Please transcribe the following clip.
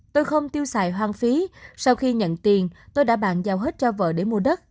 tôi không tiêu xài hoang phí sau khi nhận tiền tôi đã bàn giao hết cho vợ để mua đất